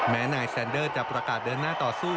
แม้นายแซนเดอร์จะประกาศเดินหน้าต่อสู้